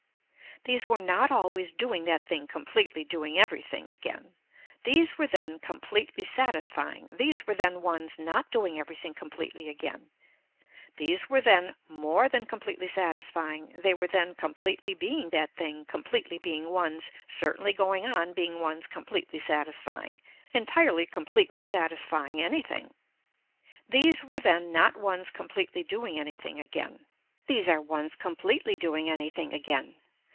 These were not always doing that thing completely doing everything again. These were then completely satisfying, these were then ones not doing everything completely again. These were then more than completely satisfying, they were then completely being that thing completely being ones certainly going on being ones completely satisfying, entirely completely satisfying anything. These were then not ones completely doing anything again. These are ones completely doing anything again.